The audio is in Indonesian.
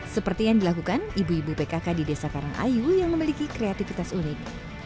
seperti yang dilakukan ibu ibu pkk di desa karangayu yang memiliki kreativitas unik